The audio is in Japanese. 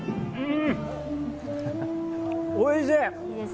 おいしい！